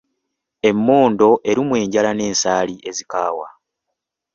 Emmondo erumwa enjala n'ensaali ezikaawa.